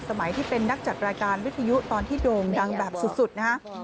สมัยที่เป็นนักจัดรายการวิทยุตอนที่โด่งดังแบบสุดนะฮะ